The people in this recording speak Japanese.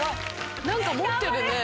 何か持ってるね。